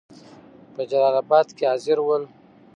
په جلال آباد کې حاضر ول.